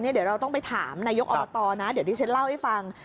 เดี๋ยวเราต้องไปถามนายกอบตนะเดี๋ยวดิฉันเล่าให้ฟัง